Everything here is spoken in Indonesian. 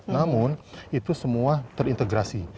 namun itu semua terintegrasi